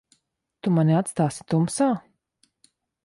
Tu mani atstāsi tumsā?